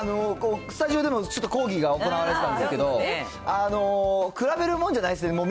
スタジオでもちょっと講義が行われてたんですけど、比べるものじゃないですね。